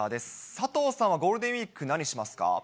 佐藤さんはゴールデンウィーク、何しますか？